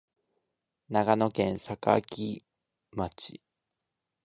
長野県坂城町